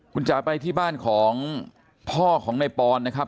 คุณจ๋าไปที่บ้านของพ่อของในปอนนะครับ